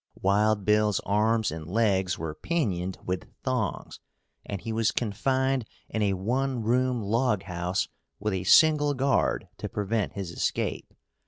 Wild Bill's arms and legs were pinioned with thongs and he was confined in a one room log house with a single guard to prevent his escape.